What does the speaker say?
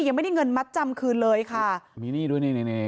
ยังไม่ได้เงินมัดจำคืนเลยค่ะมีหนี้ด้วยนี่นี่นี่